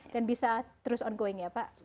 dan bisa terus ongoing ya pak